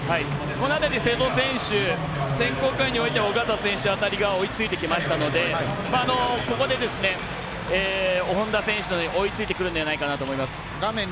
瀬戸選手選考会においては小方選手辺りが追いついてきましたので、ここで本多選手が追いついてくるんじゃないかなと思います。